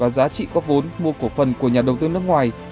giá trị có vốn mua của phần của nhà đầu tư nước ngoài